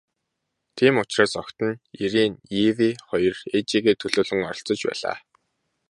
Тийм учраас охид нь, Ирене Эве хоёр ээжийгээ төлөөлөн оролцож байлаа.